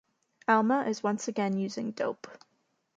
Alma is once again using dope.